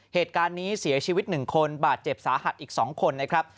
เหตุการณ์นี้เสียชีวิต๑คนบาดเจ็บสาหัสอีก๒คนนะครับ